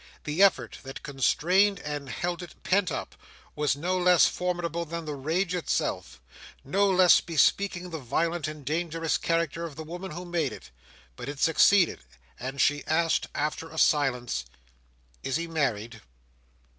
The effort that constrained and held it pent up, was no less formidable than the rage itself: no less bespeaking the violent and dangerous character of the woman who made it. But it succeeded, and she asked, after a silence: "Is he married?"